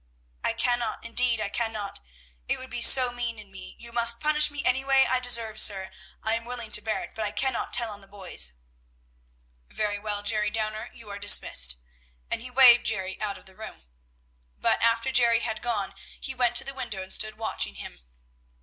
"I cannot, indeed I cannot; it would be so mean in me. You must punish me any way I deserve, sir; I am willing to bear it; but I cannot tell on the boys." "Very well, Jerry Downer; you are dismissed," and he waved Jerry out of the room. But after Jerry had gone, he went to the window and stood watching him.